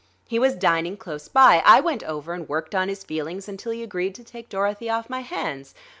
He was dining close by; I went over and worked on his feelings until he agreed to take Dorothy off my hands.